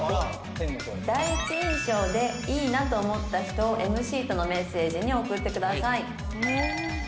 「第一印象でいいなと思った人をＭＣとのメッセージに送ってください」